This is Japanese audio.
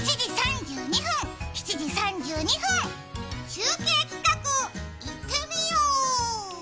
中継企画、いってみよう！